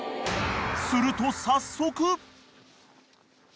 ［すると早速］